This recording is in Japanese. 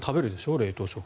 冷凍食品。